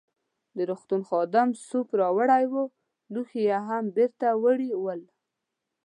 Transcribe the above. د روغتون خادم سوپ راوړی وو، لوښي يې هم بیرته وړي ول.